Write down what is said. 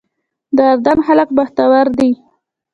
د اردن خلک بختور دي.